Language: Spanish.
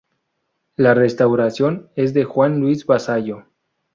La restauración es de Juan Luis Vassallo.